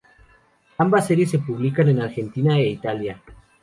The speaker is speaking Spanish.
Ambas series se publican en Argentina e Italia.